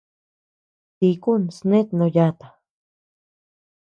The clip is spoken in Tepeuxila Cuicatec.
Tíkun snet no yàta.